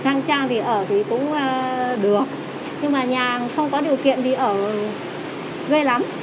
khăn trang thì ở thì cũng được nhưng mà nhà không có điều kiện thì ở ghê lắm